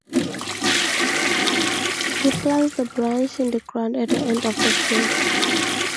He plants the branch in the ground at the end of the field.